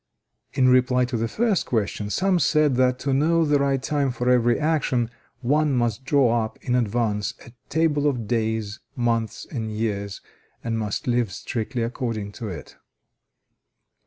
In reply to the first question, some said that to know the right time for every action, one must draw up in advance, a table of days, months and years, and must live strictly according to it.